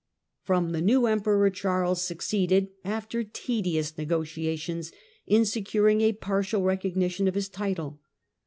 From the new Emperor Charles succeeded, after tedious negotiations, in securing a partial recognition of his title.